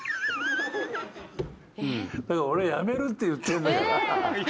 だから俺辞めるって言ってんだから！